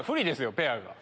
ペアが。